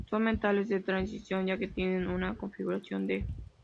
Son metales de transición, ya que tienen una configuración "d".